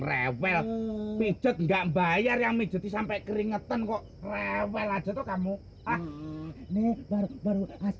rewel pijet nggak bayar yang bijet sampai keringetan kok rewel aja tuh kamu nih baru